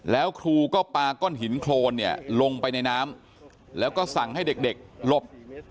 แล้วครูก็ปาก้อนหินโครนเนี่ยลงไปในน้ำแล้วก็สั่งให้เด็กหลบ